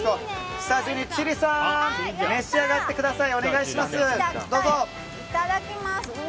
スタジオの千里さん召し上がってください！